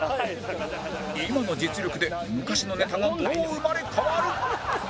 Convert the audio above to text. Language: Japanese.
今の実力で昔のネタがどう生まれ変わる？